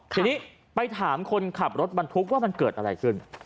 ทีนี้ไปถามคนขับรถบรรทุกว่ามันเกิดอะไรขึ้น